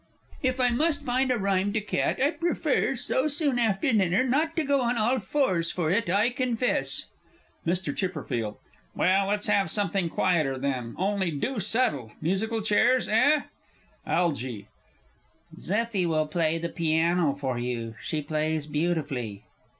If I must find a rhyme to cat, I prefer, so soon after dinner, not to go on all fours for it, I confess. MR. C. Well, let's have something quieter, then only do settle. Musical Chairs, eh? ALGY. Zeffie will play the piano for you she plays beautifully.